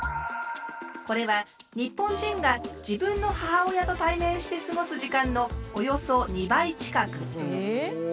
これは日本人が自分の母親と対面して過ごす時間のおよそ２倍近く。